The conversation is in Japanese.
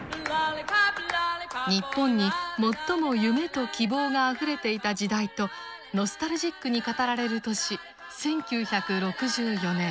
日本に最も夢と希望があふれていた時代とノスタルジックに語られる年１９６４年。